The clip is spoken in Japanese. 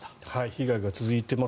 被害が続いています。